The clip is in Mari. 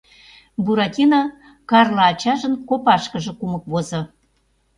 Буратино Карло ачажын копашкыже кумык возо.